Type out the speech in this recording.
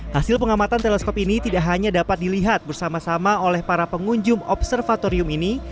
hasil pengamatan teleskop ini tidak hanya dapat dilihat bersama sama oleh para pengunjung observatorium ini